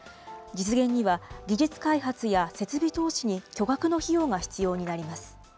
実現には、技術開発や設備投資に巨額の費用が必要になります。